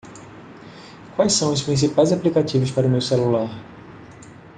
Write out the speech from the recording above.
Quais são os principais aplicativos para o meu celular?